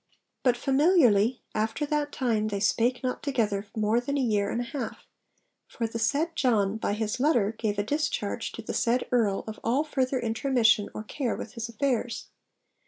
But 'familiarly after that time they spake not together more than a year and a half; for the said John, by his letter, gave a discharge to the said Earl of all farther intromission or care with his affairs.'